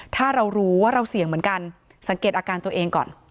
ถ้าเรารู้ว่าเราเสี่ยงเหมือนกันสังเกตอาการตัวเองก่อน